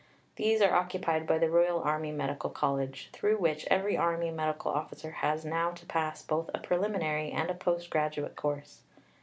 These are occupied by the Royal Army Medical College, through which every Army Medical Officer has now to pass both a preliminary and a post graduate course.